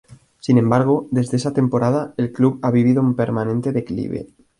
Sin embargo, desde esa temporada, el club ha vivido un permanente declive.